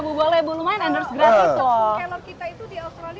tepung kelor kita itu di australia jadikan bahan untuk superfood